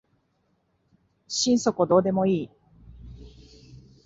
心底どうでもいい